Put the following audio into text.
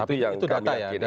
tapi itu data ya